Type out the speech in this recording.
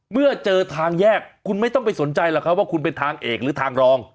เมื่อเจอทางแยกคุณไม่ต้องไปสนใจหรอกครับว่าคุณเป็นทางเอกหรือทางรอง